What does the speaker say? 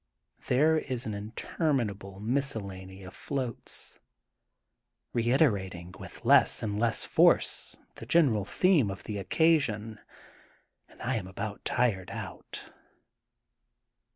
There is an interminable miscellany of floats, reiterating with less and less force, the general theme of the occasion, and I am about tired out.